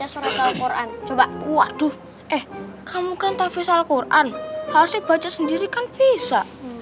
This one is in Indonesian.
surat alquran coba waduh kamu kan tafiq salat quran pasti baca sendirikan bisa